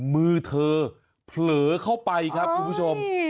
มือเธอเผลอเข้าไปครับคุณผู้ชม